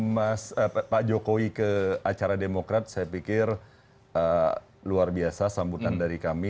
mas pak jokowi ke acara demokrat saya pikir luar biasa sambutan dari kami